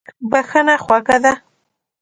بښنه خوږه ده.